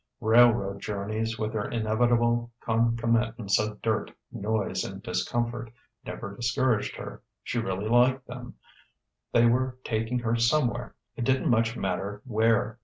Railroad journeys, with their inevitable concomitants of dirt, noise, and discomfort, never discouraged her: she really liked them; they were taking her somewhere it didn't much matter where.